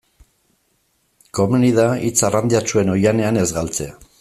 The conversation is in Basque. Komeni da hitz arrandiatsuen oihanean ez galtzea.